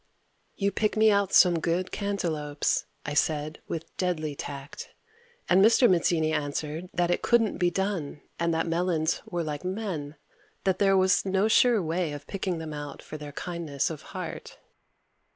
"You pick me out some good cantaloupes," I said with deadly tact, and Mr. Mazzini answered that it couldn't be done and that melons were like men, that there was no sure way of picking them out for their kindness of heart.